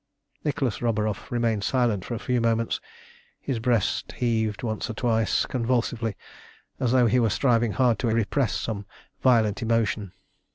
Nicholas Roburoff remained silent for a few moments. His breast heaved once or twice convulsively, as though he were striving hard to repress some violent emotion.